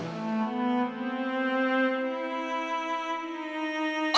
gak bisa kena